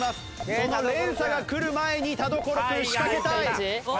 その連鎖がくる前に田所君仕掛けたい。